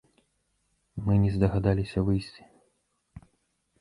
Мы не здагадаліся выйсці.